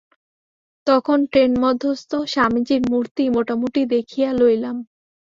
তখন ট্রেনমধ্যস্থ স্বামীজীর মূর্তি মোটামুটি দেখিয়া লইলাম।